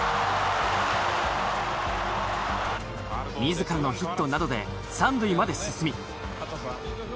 自らのヒットなどで三塁まで進み。